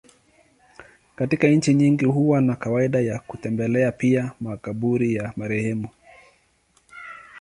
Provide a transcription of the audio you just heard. Katika nchi nyingi huwa na kawaida ya kutembelea pia makaburi ya marehemu.